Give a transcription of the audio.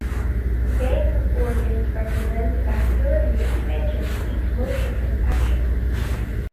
Yang organs represent : masculinity, expansion, heat, motion, and action.